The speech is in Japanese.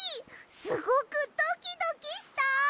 すごくドキドキした！